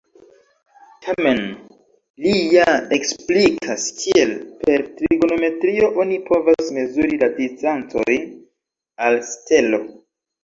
Tamen, li ja eksplikas, kiel per trigonometrio oni povas mezuri la distancojn al stelo.